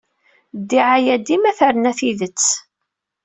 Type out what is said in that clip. Ddiɛaya dima terna tidet.